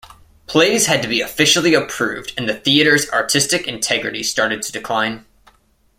Plays had to be officially approved, and the Theatre's artistic integrity started to decline.